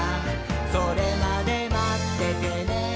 「それまでまっててねー！」